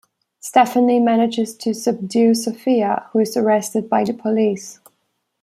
Stephanie manages to subdue Sophia, who is arrested by the police.